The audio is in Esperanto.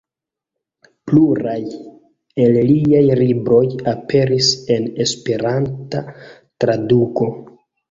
Pluraj el liaj libroj aperis en Esperanta traduko.